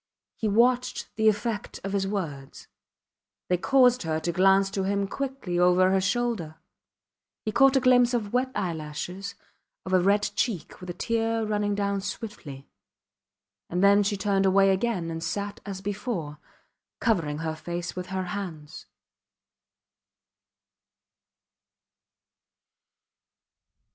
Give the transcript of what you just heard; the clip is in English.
He watched the effect of his words. They caused her to glance to him quickly over her shoulder. He caught a glimpse of wet eyelashes, of a red cheek with a tear running down swiftly; and then she turned away again and sat as before, covering her face with her hands.